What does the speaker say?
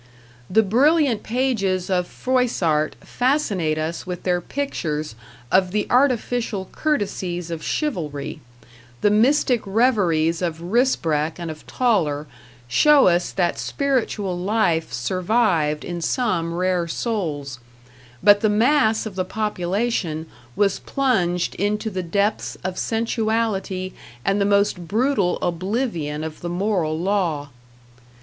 The brilliant pages of Froissart fascinate us with their pictures of the artificial courtesies of chivalry; the mystic reveries of Rysbroek and of Tauler show us that spiritual life survived in some rare souls, but the mass of the population was plunged into the depths of sensuality and the most brutal oblivion of the moral law.